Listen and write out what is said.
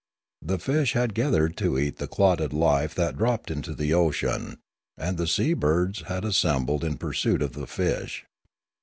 The fish had gathered to eat the clotted life that dropped into the ocean, and the sea birds had assembled in pursuit of the fish.